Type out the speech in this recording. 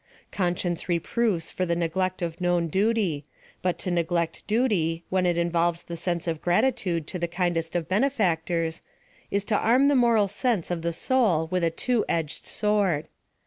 Conscience reproves for the neglect of known du^; but to neg lect, duty, when it involves the sense of gratitude to the kindest of benefactors, is to arm the moral sense of the soul with a two edged sword.